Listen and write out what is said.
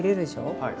はい。